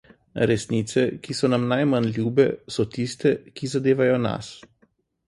Resnice, ki so nam najmanj ljube, so tiste, ki zadevajo nas.